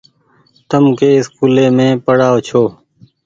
تم ڪي اسڪولي مين پڙآئو ڇو ۔